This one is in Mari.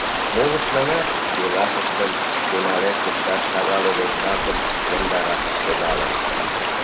Молыштланат пелашыштым семален шукташ шагал огыл жапым йомдарашышт логалын.